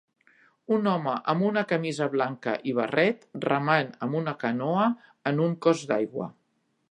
Un home amb una camisa blanca i barret remant amb una canoa en un cos d'aigua.